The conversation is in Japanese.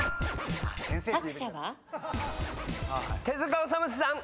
手塚治虫さん。